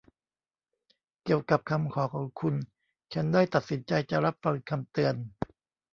เกี่ยวกับคำขอของคุณ ฉันได้ตัดสินจะรับฟังคำเตือน